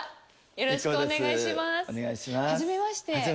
よろしくお願いします。